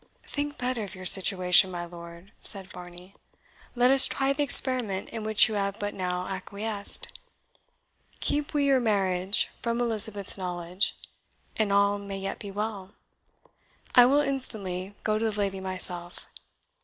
"Think better of your situation, my lord," said Varney; "let us try the experiment in which you have but now acquiesced. Keep we your marriage from Elizabeth's knowledge, and all may yet be well. I will instantly go to the lady myself.